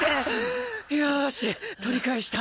よーし取り返した。